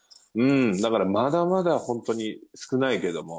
だから、まだまだ本当に少ないけども。